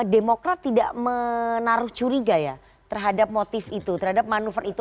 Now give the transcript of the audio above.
demokrat tidak menaruh curiga ya terhadap motif itu terhadap manuver itu